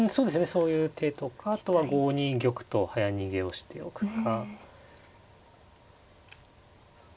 そういう手とかあとは５二玉と早逃げをしておくか。